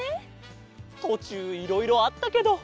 とちゅういろいろあったけど。